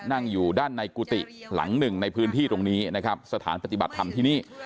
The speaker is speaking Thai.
นั่งอยู่ด้านในกุฏิหลังหนึ่งในพื้นที่ตรงนี้นะครับสถานปฏิบัติธรรมที่นี่